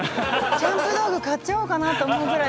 キャンプ道具買っちゃおうかなと思うぐらい。